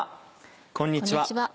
こんにちは。